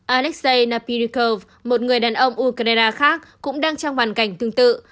alexei napirikov một người đàn ông ukraine khác cũng đang trong hoàn cảnh tương tự